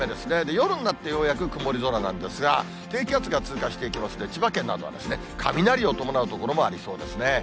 夜になって、ようやく曇り空なんですが、低気圧が通過していきますんで、千葉県などは、雷を伴う所もありそうですね。